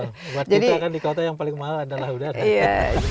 buat kita kan di kota yang paling mahal adalah udara